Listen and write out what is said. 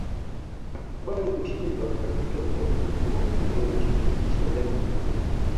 Akakubali kushindwa katika uchaguzi huo uliovishirikisha vyama vingi